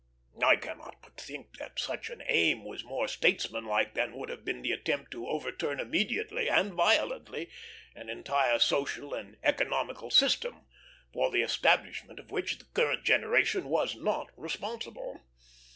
I cannot but think that such an aim was more statesmanlike than would have been the attempt to overturn immediately and violently an entire social and economical system, for the establishment of which the current generation was not responsible.